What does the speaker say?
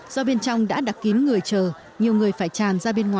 do bên trong đã đặt kín người chờ nhiều người phải tràn ra